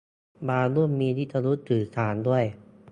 บางรุ่นมีวิทยุสื่อสารด้วย